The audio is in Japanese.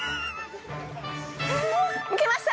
むけました！